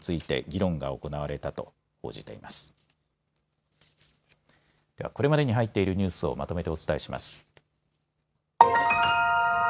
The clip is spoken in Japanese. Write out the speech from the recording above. では、これまでに入っているニュースをまとめてお伝えします。